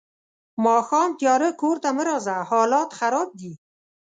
ماښام تیارۀ کور ته مه راځه حالات خراب دي.